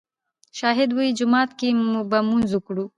شاهد ووې جومات کښې به مونځ وکړو